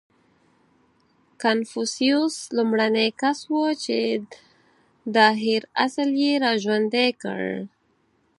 • کنفوسیوس لومړنی کس و، چې دا هېر اصل یې راژوندی کړ.